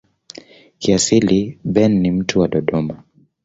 Kiasili Ben ni mtu wa Dodoma.